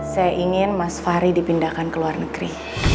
saya ingin mas fahri dipindahkan ke luar negeri